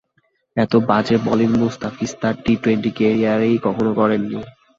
এত বাজে বোলিং মোস্তাফিজ তাঁর টি টোয়েন্টি ক্যারিয়ারেই কখনো করেননি।